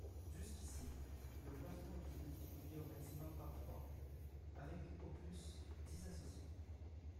Jusqu’ici, le plafond était multiplié au maximum par trois, avec au plus dix associés.